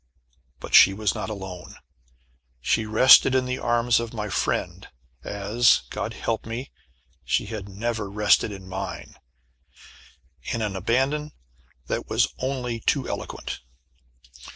But she was not alone. She rested in the arms of my friend, as, God help me, she had never rested in mine in an abandon that was only too eloquent.